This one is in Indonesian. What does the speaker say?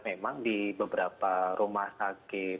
memang di beberapa rumah sakit